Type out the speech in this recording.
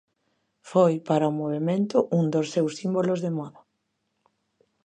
Foi, para o movemento, un dos seus símbolos de moda.